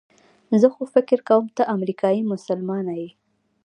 زه خو فکر کوم ته امریکایي مسلمانه یې.